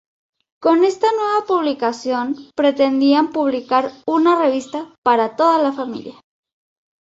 Con esta nueva publicación pretendían publicar una revista para toda la familia.